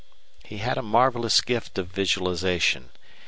He had a marvelous gift of visualization.